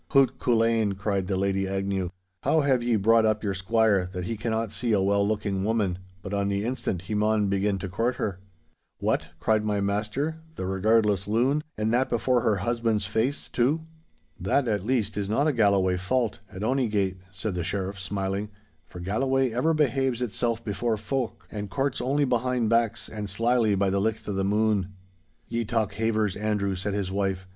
'Hoot, Culzean,' cried the Lady Agnew, 'how have ye brought up your squire, that he cannot see a well looking woman, but on the instant he maun begin to court her?' 'What,' cried my master, 'the regardless loon—and that before her husband's face, too!' 'That, at least, is not a Galloway fault, at ony gate,' said the Sheriff, smiling, 'for Galloway ever behaves itself before folk, and courts only behind backs and slily by the licht of the moon.' 'Ye talk havers, Andrew,' said his wife.